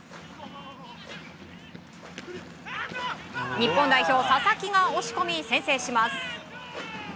日本代表、佐々木が押し込み先制します。